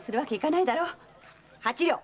八両！